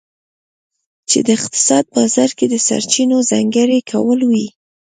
چې د اقتصاد بازار کې د سرچینو ځانګړي کول وي.